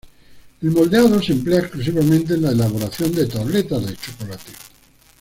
El moldeado se emplea exclusivamente en la elaboración de tabletas de chocolate.